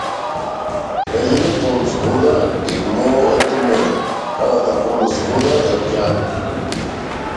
Леѓенот полн со вода е моето море, кадата полна со вода е океан.